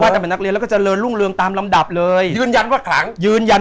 อเจมส์ท่านจะอนุโมธนากับบุญกับเรา